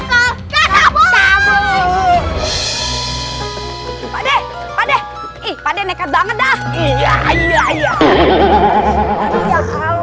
padek padek ikan dengan banget dah iya iya iya iya iya